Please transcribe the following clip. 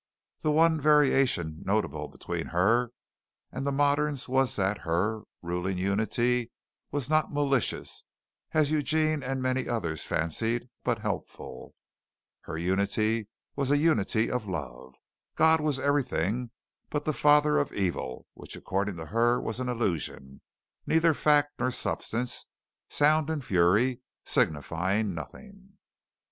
The one variation notable between her and the moderns was that her ruling unity was not malicious, as Eugene and many others fancied, but helpful. Her unity was a unity of love. God was everything but the father of evil, which according to her was an illusion neither fact nor substance sound and fury, signifying nothing.